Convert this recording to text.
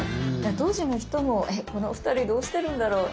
当時の人もこの２人どうしてるんだろう？